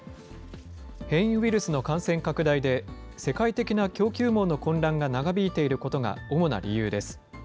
変異ウイルスの感染拡大で、世界的な供給網の混乱が長引いていることが主な理由です。